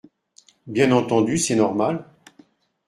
Bien entendu, c’est normal.